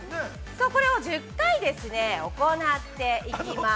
◆これを１０回、行っていきます。